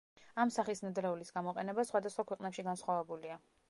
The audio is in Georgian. ამ სახის ნედლეულის გამოყენება სხვადასხვა ქვეყნებში განსხვავებულია.